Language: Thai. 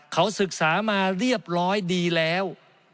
เขาศึกษามาเรียบร้อยดีแล้ว